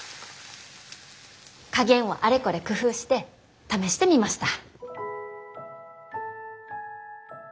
加減をあれこれ工夫して試してみました。